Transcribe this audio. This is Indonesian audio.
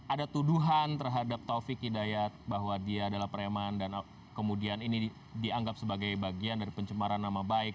ada tuduhan terhadap taufik hidayat bahwa dia adalah preman dan kemudian ini dianggap sebagai bagian dari pencemaran nama baik